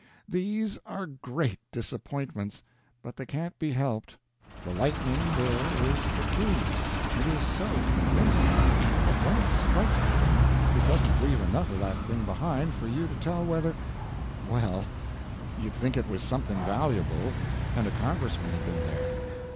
These are great disappointments; but they can't be helped. The lightning there is peculiar; it is so convincing, that when it strikes a thing it doesn't leave enough of that thing behind for you to tell whether Well, you'd think it was something valuable, and a Congressman had been there.